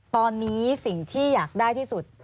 ตอนนี้สิ่งที่อยากได้ที่สุด